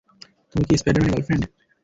তুমি কি স্পাইডার-ম্যানের গার্লফ্রেন্ড?